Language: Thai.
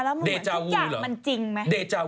เหมือนทุกอย่ามันจริงไหม